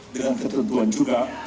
dengan ketentuan juga